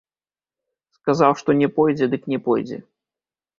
Сказаў, што не пойдзе, дык не пойдзе.